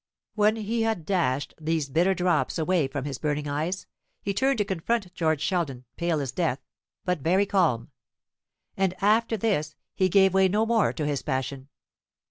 When he had dashed these bitter drops away from his burning eyes, he turned to confront George Sheldon, pale as death, but very calm. And after this he gave way no more to his passion.